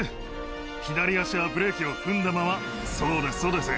左足はブレーキを踏んだままそうですそうです。